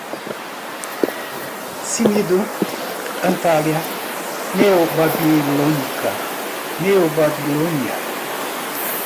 Cnido, Antália, neobabilônica, neobabilônia